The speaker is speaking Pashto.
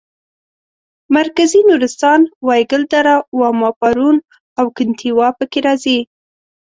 مرکزي نورستان وایګل دره واما پارون او کنتیوا پکې راځي.